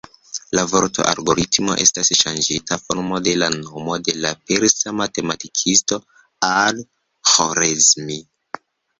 La vorto "algoritmo" estas ŝanĝita formo de la nomo de la persa matematikisto Al-Ĥorezmi.